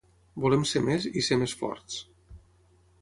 Volem ser més, i ser més forts.